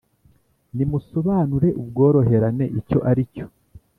Nimusobanure ubworoherane icyo ari cyo